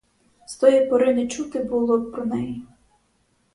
З тої пори не чути було про неї.